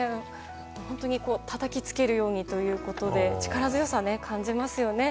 たたきつけるようにということで力強さを感じますね。